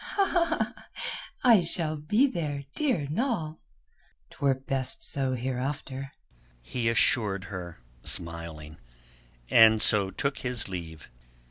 "I shall be there, dear Noll." "'Twere best so hereafter," he assured her, smiling, and so took his leave.